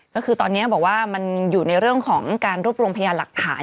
ก็คือตอนนี้บอกว่ามันอยู่ในเรื่องของการรวบรวมพยานหลักฐาน